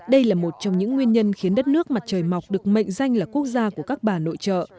đây là một trong những nguyên nhân khiến đất nước mặt trời mọc được mệnh danh là quốc gia của các bà nội trợ